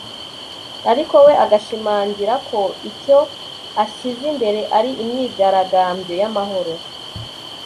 ariko we agashimangira ko icyo ashyize imbere ari imyigaragambyo y’amahoro